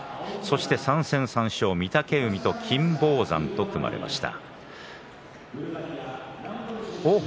３戦３勝、御嶽海金峰山と組まれました。